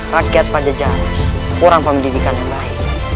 rakyat pajajah kurang pembedikan yang baik